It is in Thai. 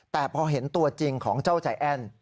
แต่พอเห็นตัวจริงของเจ้าใจแอ้น